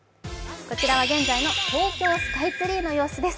こちらは現在の東京スカイツリーの様子です。